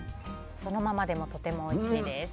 そのままでもとてもおいしいです。